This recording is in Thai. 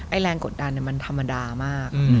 แรงกดดันมันธรรมดามาก